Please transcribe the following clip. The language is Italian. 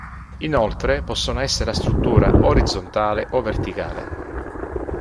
Inoltre possono essere a struttura orizzontale o verticale.